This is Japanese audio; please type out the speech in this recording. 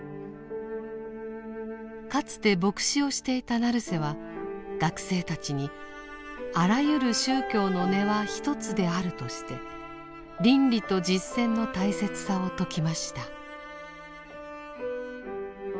かつて牧師をしていた成瀬は学生たちにあらゆる宗教の根は一つであるとして倫理と実践の大切さを説きました。